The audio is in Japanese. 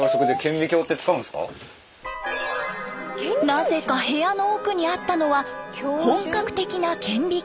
なぜか部屋の奥にあったのは本格的な顕微鏡。